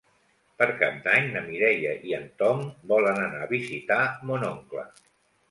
Per Cap d'Any na Mireia i en Tom volen anar a visitar mon oncle.